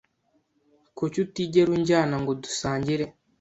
Kuki utigera unjyana ngo dusangire?